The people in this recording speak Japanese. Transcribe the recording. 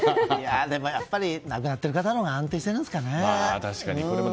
やはり亡くなっている方のほうが安定しているんですかね。